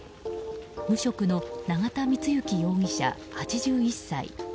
無職の永田光之容疑者、８１歳。